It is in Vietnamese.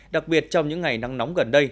đặc biệt trong những ngày nắng nóng gần đây